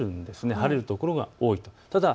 晴れる所が多いです。